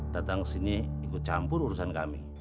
datang kesini ikut campur urusan kami